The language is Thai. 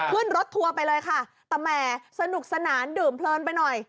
ขึ้นรถทัวร์ไปเลยค่ะแต่แหมสนุกสนานดื่มเพลินไปหน่อย